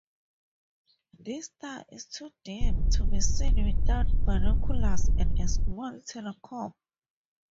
This star is too dim to be seen without binoculars or a small telescope.